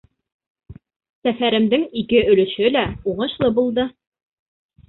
Сәфәремдең ике өлөшө лә уңышлы булды.